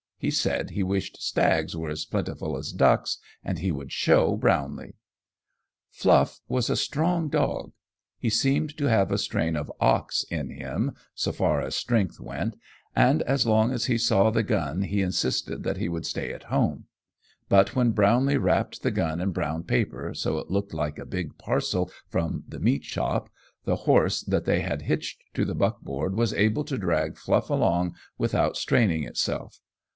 He said he wished stags were as plentiful as ducks, and he would show Brownlee! Fluff was a strong dog he seemed to have a strain of ox in him, so far as strength went and as long as he saw the gun he insisted that he would stay at home; but when Brownlee wrapped the gun in brown paper so it looked like a big parcel from the meat shop, the horse that they had hitched to the buck board was able to drag Fluff along without straining itself.